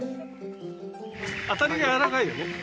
当たりがやわらかいよね。